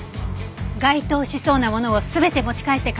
該当しそうなものを全て持ち帰って鑑定します。